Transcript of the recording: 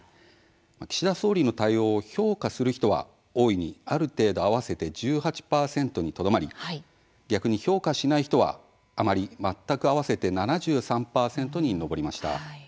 岸田総理の対応を「評価する」人は大いに、ある程度合わせて１８％にとどまり逆に「評価しない」人はあまり、全く合わせて７３％に上りました。